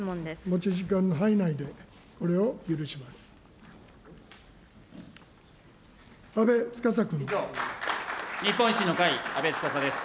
持ち時間の範囲内でこれを許します。